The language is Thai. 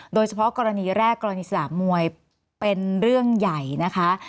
โดยเฉพาะกรณีแรกกรณีสนามมวยเป็นเรื่องใหญ่นะคะ